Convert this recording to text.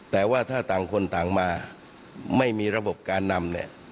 แต่ว่าถ้าต่างคนต่างมาไม่มีระบบการนำเนี่ย